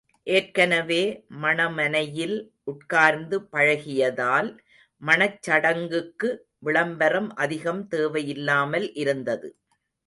ஏற்கனவே மணமனையில் உட்கார்ந்து பழகியதால் மணச் சடங்குக்கு விளம்பரம் அதிகம் தேவை இல்லாமல் இருந்தது.